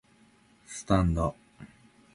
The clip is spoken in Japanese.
スタンド